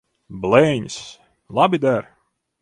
Blēņas! Labi der.